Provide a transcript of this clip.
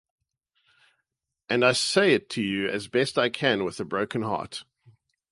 And I say it to you as best I can with a broken heart.